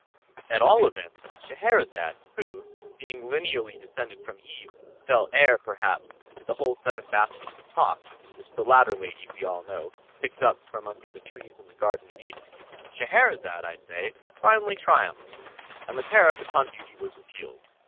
At all events, Scheherazade, who, being lineally descended from Eve, fell heir, perhaps, to the whole seven baskets of talk, which the latter lady, we all know, picked up from under the trees in the garden of Eden; Scheherazade, I say, finally triumphed, and the tariff upon beauty was repealed.